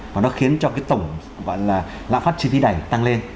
và nó khiến cho cái tổng lạm phát chi phí đầy tăng lên